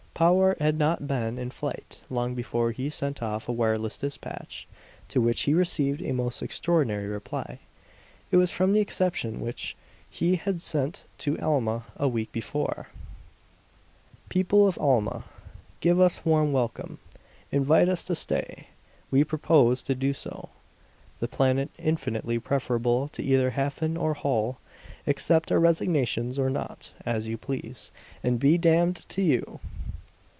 Powart had not been in flight long before he sent off a wireless despatch, to which he received a most extraordinary reply. It was from the expedition which he had sent to Alma a week before: People of Alma give us warm welcome. Invite us to stay. We propose to do so. The planet infinitely preferable to either Hafen or Holl. Accept our resignations or not, as you please, and be damned to you!